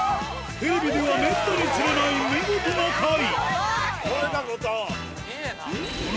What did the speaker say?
テレビではめったに釣れない見事なタイ